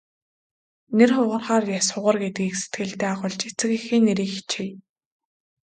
Нэр хугарахаар яс хугар гэдгийг сэтгэлдээ агуулж эцэг эхийн нэрийг хичээе.